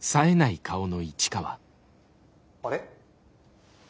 あれ？